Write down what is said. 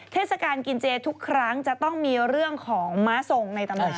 เทศกาลกินเจทุกครั้งจะต้องมีเรื่องของม้าทรงในตำนาน